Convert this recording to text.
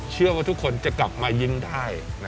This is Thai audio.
เชื่อว่าทุกคนจะกลับมายิ้มได้